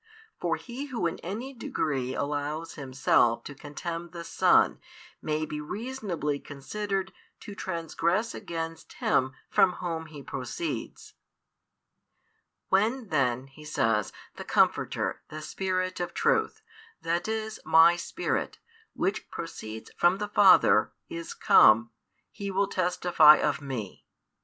For he who in any degree allows himself to contemn the Son may be reasonably considered to transgress against Him from Whom He proceeds. |433 When then, He says, the Comforter, the Spirit of truth, that is My Spirit, Which proceeds from the Father, is come, He will testify of Me.